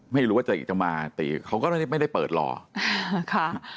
ไม่รู้ว่าจะเอียดจะมาแต่เขาก็ไม่ได้เปิดหรอก